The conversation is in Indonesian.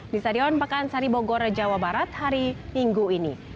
di stadion pakansari bogor jawa barat hari minggu ini